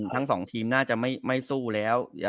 ทั้งสองทีมน่าจะไม่สู้แล้ว